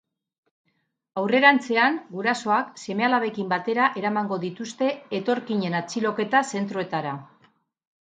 Aurrerantzean, gurasoak seme-alabekin batera eramango dituzte etorkinen atxiloketa zentroetara.